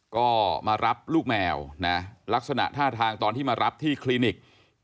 ก็มารับลูกแมวนะลักษณะท่าทางตอนที่มารับที่คลินิก